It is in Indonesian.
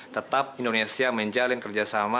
tetap indonesia menjalin kerjasama